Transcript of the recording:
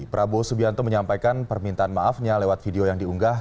prabowo subianto menyampaikan permintaan maafnya lewat video yang diunggah